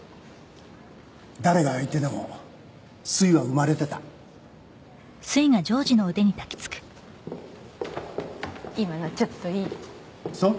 誰が相手でもすいは生まれてた今のちょっといいそう？